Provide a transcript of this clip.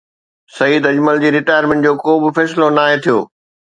سعيد اجمل جي رٽائرمينٽ جو ڪو به فيصلو ناهي ٿيو